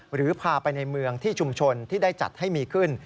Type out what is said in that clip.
หรือพาไปในเมืองที่ชุมชนที่ได้จัดให้มีขึ้น